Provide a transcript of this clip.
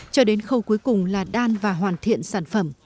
cho đến khâu cuối cùng là đan và hoàn thiện sản phẩm